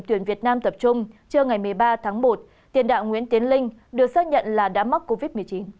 tuyển việt nam tập trung trưa ngày một mươi ba tháng một tiền đạo nguyễn tiến linh được xác nhận là đã mắc covid một mươi chín